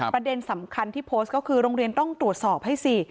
ประเด็นสำคัญที่โพสต์ก็คือโรงเรียนต้องตรวจสอบให้สิ